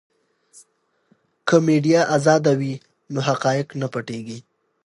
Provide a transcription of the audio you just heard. که میډیا ازاده وي نو حقایق نه پټیږي.